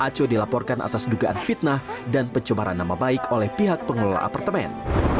aco dilaporkan atas dugaan fitnah dan pencemaran nama baik oleh pihak pengelola apartemen